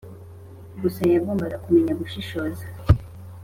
gusa yagombaga kumenya gushishoza